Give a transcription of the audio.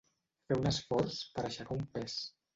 Fer un esforç per aixecar un pes.